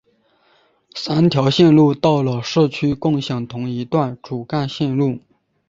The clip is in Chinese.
三条线路到了市区共享同一段主干线路。